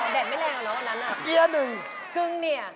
แดดไม่แรงเหรอนะวันนั้นอ่ะ